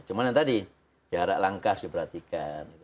cuma yang tadi jarak langka sih perhatikan